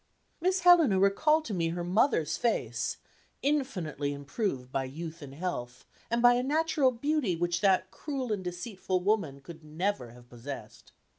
Miss Helena recalled to me her mother's face, infinitely improved by youth and health, and by a natural beauty which that cruel and deceitful woman could never have possessed.